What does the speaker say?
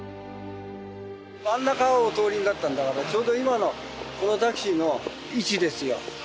真ん中をお通りになったんだからちょうど今のこのタクシーの位置ですよ。